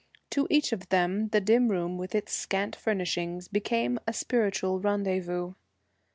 To each of them the dim room with its scant furnishings became a spiritual rendezvous.